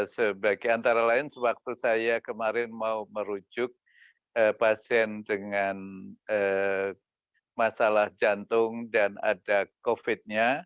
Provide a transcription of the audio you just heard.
sebagai antara lain sewaktu saya kemarin mau merujuk pasien dengan masalah jantung dan ada covid nya